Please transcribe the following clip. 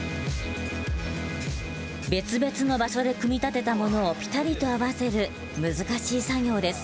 別々の場所で組み立てたものをピタリと合わせる難しい作業です。